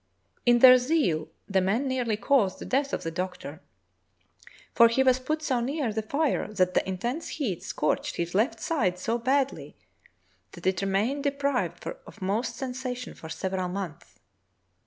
In their zeal the men nearly caused the death of the doc tor, for he was put so near the fire that the intense heat scorched his left side so badly that it remained deprived of most sensation for several months.